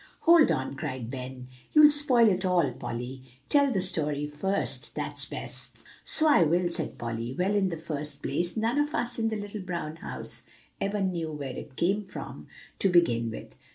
"Hold on," cried Ben, "you'll spoil it all, Polly. Tell the story first, that's best." "So I will," said Polly. "Well, in the first place, none of us in The Little Brown House ever knew where it came from, to begin with.